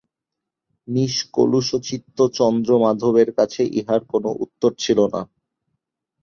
নিষ্কলুষচিত্ত চন্দ্রমাধবের কাছে ইহার কোনো উত্তর ছিল না।